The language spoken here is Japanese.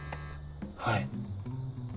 はい。